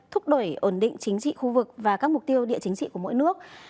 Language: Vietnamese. thúc đẩy ổn định chính trị khu vực và các mục tiêu địa chính trị của mỗi nước